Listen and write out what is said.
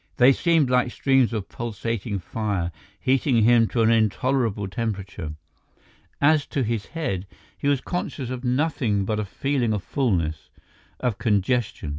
They seemed like streams of pulsating fire heating him to an intolerable temperature. As to his head, he was conscious of nothing but a feeling of fullness—of congestion.